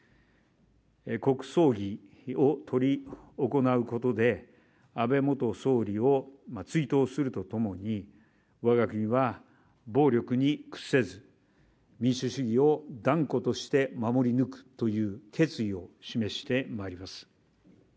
国葬儀を執り行うことで安倍元総理を追悼するとともに、我が国は暴力に屈せず、民主主義を断固として守り抜くという決意を示してまいります。